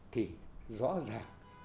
thì rõ ràng